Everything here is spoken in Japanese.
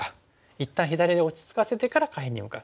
一旦左上で落ち着かせてから下辺に向かう。